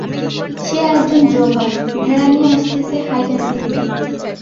সে একজন ড্রোভার, ভেড়া নিয়ে আসতেছে হাই কান্ট্রি থেকে।